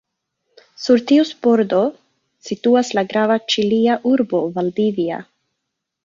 Sur ties bordo situas la grava ĉilia urbo Valdivia.